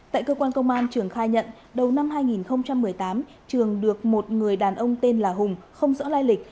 tại cơ quan công an trường khai nhận đầu năm hai nghìn một mươi tám trường được một người đàn ông tên là hùng không rõ lai lịch